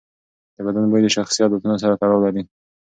د بدن بوی د شخصي عادتونو سره تړاو لري.